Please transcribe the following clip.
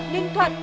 ninh thuận chín ca